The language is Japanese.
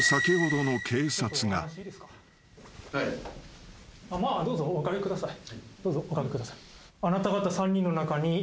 どうぞお掛けください。